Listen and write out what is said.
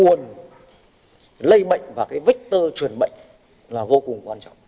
là vô cùng quan trọng